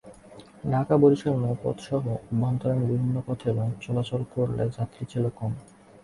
ঢাকা-বরিশাল নৌপথসহ অভ্যন্তরীণ বিভিন্ন পথে লঞ্চ চলাচল করলেও যাত্রী ছিল কম।